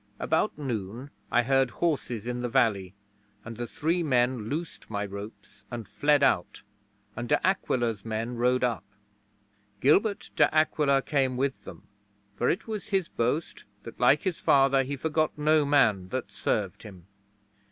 About noon I heard horses in the valley, and the three men loosed my ropes and fled out, and De Aquila's men rode up. Gilbert de Aquila came with them, for it was his boast that, like his father, he forgot no man that served him.